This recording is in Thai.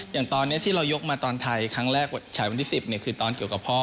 อย่างตอนนี้ที่เรายกมาตอนไทยครั้งแรกฉายวันที่๑๐คือตอนเกี่ยวกับพ่อ